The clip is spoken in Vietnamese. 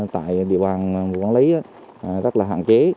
tại địa bàn quán lấy rất là hạn chế